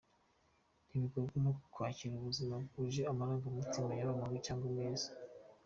ntibagorwa no kwakira ubuzima bwuje amarangamutima yaba mabi cyangwa meza.